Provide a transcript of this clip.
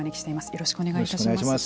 よろしくお願いします。